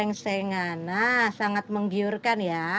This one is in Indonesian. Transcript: nah sangat menggiurkan ya